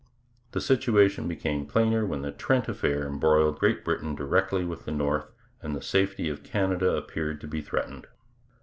The situation became plainer when the Trent Affair embroiled Great Britain directly with the North, and the safety of Canada appeared to be threatened.